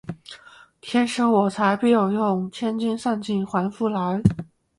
天生我材必有用，千金散尽还复来